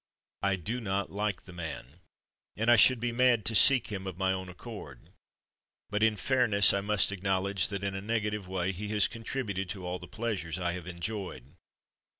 I do not like the man, and I should be mad to seek him of my own accord, but in fairness I must acknowledge that in a negative way he has contributed to all the pleasures I have enjoyed.